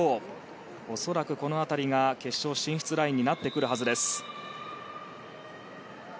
恐らく、この辺りが決勝進出ラインになってくるはずです。